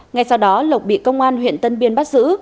ngay sau đó lộc bị công an huyện tân biên bắt giữ